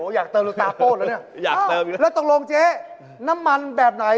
โอ้อยากเติมดูตาโต้นแล้วนี่